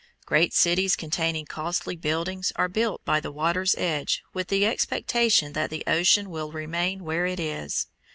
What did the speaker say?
Great cities containing costly buildings are built by the water's edge with the expectation that the ocean will remain where it is.